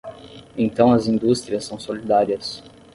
Então as indústrias são solidárias.